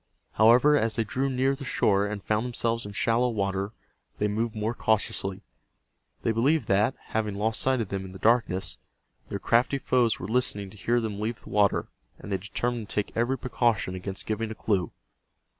However, as they drew near the shore and found themselves in shallow water they moved more cautiously. They believed that, having lost sight of them in the darkness, their crafty foes were listening to hear them leave the water, and they determined to take every precaution against giving a clue.